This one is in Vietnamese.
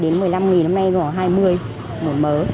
một mươi hai một mươi năm nghìn năm nay gọi hai mươi nổi mớ